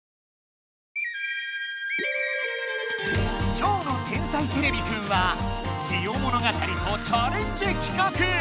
今日の「天才てれびくん」は「ジオ物語」とチャレンジ企画！